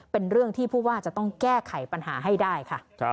เป็นเรื่องที่ผู้ว่าจะต้องแก้ไขปัญหาให้ได้ค่ะ